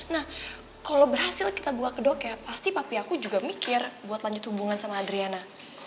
nah kalau berhasil kita buka ke dok ya pasti papi aku juga mikir buat lanjut hubungan sama adriana